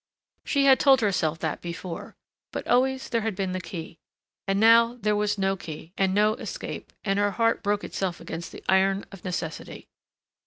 She had told herself that before. But always there had been the key. And now there was no key and no escape and her heart broke itself against the iron of necessity.